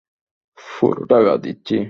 পুরো টাকা দিচ্ছি।